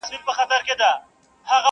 o دا له سترګو فریاد ویښ غوږونه اوري,